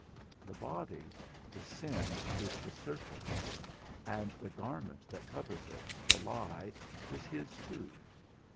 The body, the sin, is the serpent's; and the garment that covers it, the lie, is his too.